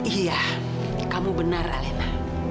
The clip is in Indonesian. iya kamu benar alena